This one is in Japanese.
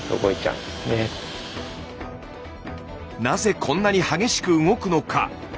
なぜこんなに激しく動くのか。